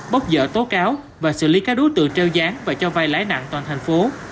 bốc dở tố cáo và xử lý các đối tượng treo dáng và cho vai lãi nặng toàn thành phố